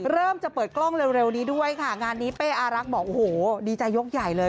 เริ่มจะเปิดกล้องเร็วนี้ด้วยค่ะงานนี้เป้อารักษ์บอกโอ้โหดีใจยกใหญ่เลย